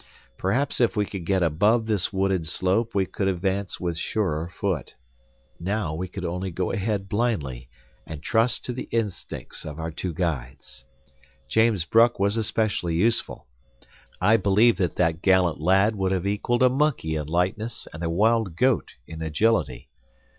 Perhaps if we could get above this wooded slope we could advance with surer foot. Now, we could only go ahead blindly, and trust to the instincts of our two guides. James Bruck was especially useful. I believe that that gallant lad would have equaled a monkey in lightness and a wild goat in agility.